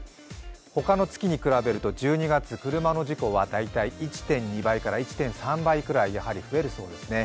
ほかの月に比べると１２月、車の事故は１．２倍から１．８倍くらいやはり増えるそうですね。